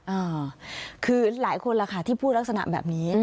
อ่าคือหลายคนล่ะค่ะที่พูดลักษณะแบบนี้